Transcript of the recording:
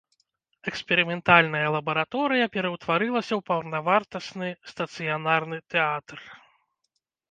Эксперыментальная лабараторыя пераўтварылася ў паўнавартасны стацыянарны тэатр.